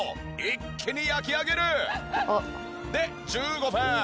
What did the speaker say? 一気に焼き上げる！で１５分。